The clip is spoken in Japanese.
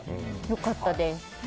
良かったです。